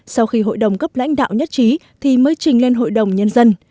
sau khi hội đồng cấp lãnh đạo nhất trí thì mới trình lên hội đồng nhân dân